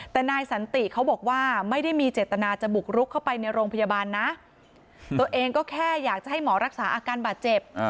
แต่นายสันติเขาบอกว่าไม่ได้มีเจตนาจะบุกรุกเข้าไปในโรงพยาบาลนะตัวเองก็แค่อยากจะให้หมอรักษาอาการบาดเจ็บ